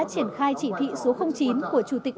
triển khai chỉ thị số chín của chủ tịch